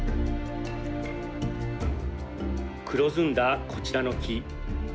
黒ずんだ、こちらの木。